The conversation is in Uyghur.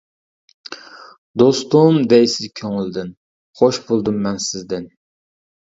دوستۇم دەيسىز كۆڭۈلدىن، خوش بولدۇم مەن سىزدىن.